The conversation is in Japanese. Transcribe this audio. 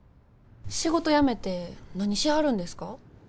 仕事辞めて何しはるんですか？